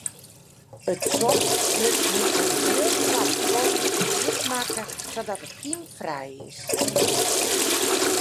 It sop wurdt yn in heel koart skoft hjit makke sadat it kymfrij is.